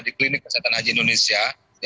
di klinik kesehatan haji indonesia